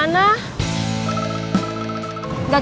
dadeng gak ada norak